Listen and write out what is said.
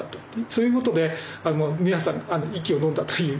そういうことで皆さん息をのんだという。